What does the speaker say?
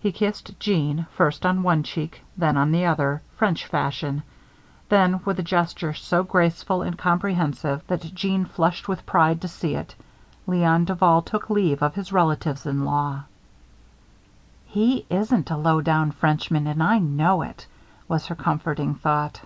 He kissed Jeanne first on one cheek, then on the other, French fashion; then, with a gesture so graceful and comprehensive that Jeanne flushed with pride to see it, Léon Duval took leave of his relatives in law. "He isn't a low down Frenchman and I know it," was her comforting thought.